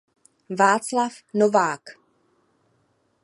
Václav Novák.